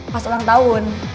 pas ulang tahun